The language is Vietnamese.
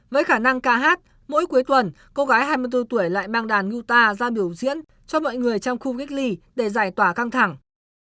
với khả năng ca hát mỗi cuối tuần cô gái hai mươi bốn tuổi lại mang đàn nguta ra biểu diễn cho mọi người trong khu cách ly để giải tỏa căng thẳng